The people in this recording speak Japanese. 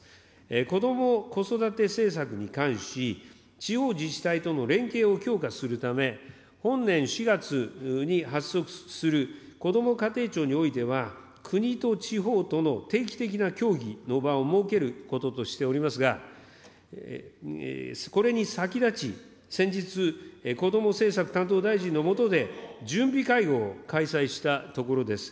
こども・子育て政策に関し、地方自治体との連携を強化するため、本年４月に発足する、こども家庭庁においては、国と地方との定期的な協議の場を設けることとしておりますが、これに先立ち、先日、こども政策担当大臣の下で、準備会合を開催したところです。